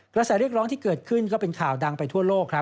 กระแสเรียกร้องที่เกิดขึ้นก็เป็นข่าวดังไปทั่วโลกครับ